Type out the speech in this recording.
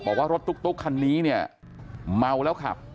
บอกว่ารถตุ๊กคันนี้เนี่ยเมาแล้วขับ